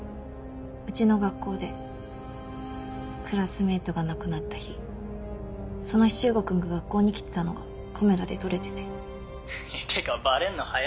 うちの学校でクラスメートが亡くなった日その日修吾君が学校に来てたのがカメラで撮れてて。ってかバレんの早いな。